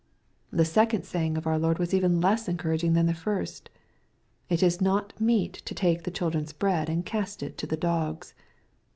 The second saying of our Lord was even less encouraging than the first :" It is not meet to take the children's bread, and cast it to the dogs."